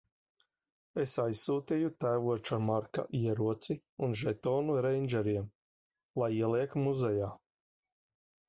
Es aizsūtīju tēvoča Marka ieroci un žetonu reindžeriem - lai ieliek muzejā.